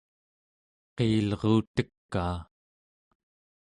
qiilerutekaa